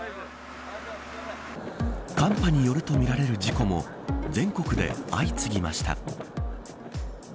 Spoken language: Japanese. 寒波によるとみられる事故も全国で相次ぎました。